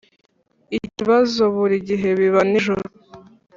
Ikibazo buri gihe biba nijoro